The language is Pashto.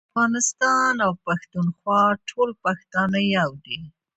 د افغانستان او پښتونخوا ټول پښتانه يو دي